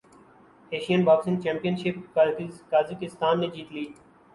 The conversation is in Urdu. Asian boxing championship Kazakhstan نے جیت لی